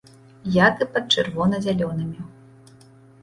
Як і пад чырвона-зялёнымі.